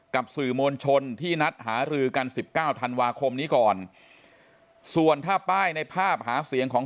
กับสื่อมวลชนที่นัดหารือกันสิบเก้าธันวาคมนี้ก่อนส่วนถ้าป้ายในภาพหาเสียงของ